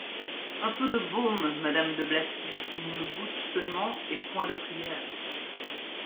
Un peu de baume, madame de Blacy, une goutte seulement et point de prières.